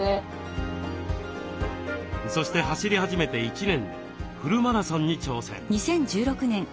そして走り始めて１年でフルマラソンに挑戦。